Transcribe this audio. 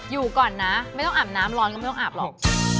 อยู่ก่อนนะไม่ต้องอาบน้ำร้อนก็ไม่ต้องอาบหรอก